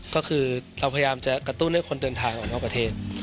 ก็คือเราพยายามจะกระตุ้นให้คนเดินทางออกนอกประเทศ